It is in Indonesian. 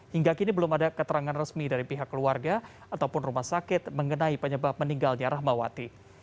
hingga kini belum ada keterangan resmi dari pihak keluarga ataupun rumah sakit mengenai penyebab meninggalnya rahmawati